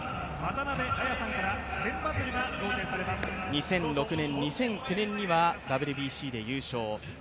２００６年、２００９年にはＷＢＣで優勝。